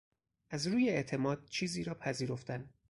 از روی اعتماد چیزی را پذیرفتن